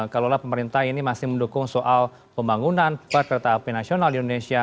kalau pemerintah ini masih mendukung soal pembangunan kereta api nasional di indonesia